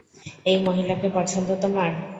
এই মহিলাকে পছন্দ তোমার?